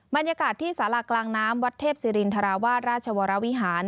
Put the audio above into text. บรรยากาศที่สารากลางน้ำวัดเทพศิรินทราวาสราชวรวิหาร